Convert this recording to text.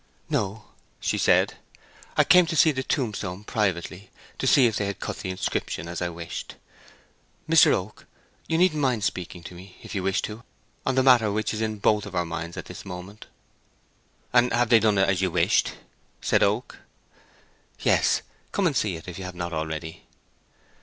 "No," she said. "I came to see the tombstone privately—to see if they had cut the inscription as I wished. Mr. Oak, you needn't mind speaking to me, if you wish to, on the matter which is in both our minds at this moment." "And have they done it as you wished?" said Oak. "Yes. Come and see it, if you have not already."